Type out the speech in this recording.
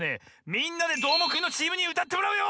「みんなＤＥどーもくん！」のチームにうたってもらうよ！